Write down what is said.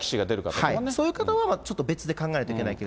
はい、そういう方はちょっと別で考えなきゃいけないけど。